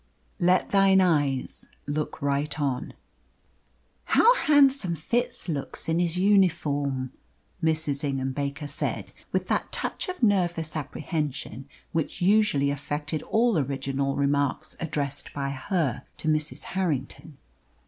Let thine eyes look right on. "How handsome Fitz looks in his uniform!" Mrs. Ingham Baker said, with that touch of nervous apprehension which usually affected all original remarks addressed by her to Mrs. Harrington.